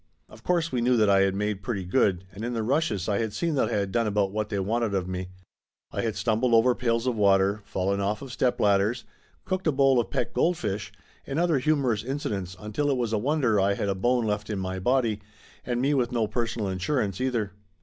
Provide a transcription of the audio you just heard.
Of course we knew that I had made pretty good, and in the rushes I had seen that I had done about what they wanted of me. I had stumbled over pails of water, fallen off of stepladders, cooked a bowl of pet goldfish, and other humorous incidents until it was a wonder I had a bone left in my body, and me with no personal insurance either.